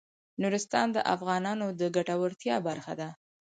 نورستان د افغانانو د ګټورتیا برخه ده.